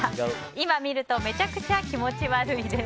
今見るとめちゃくちゃ気持ち悪いです。